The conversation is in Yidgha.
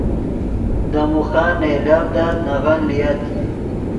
دے موخن نئیلڤدت نغن لییت